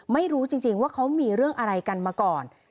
ไม่รู้จริงว่าเขามีเรื่องอะไรกันมาก่อน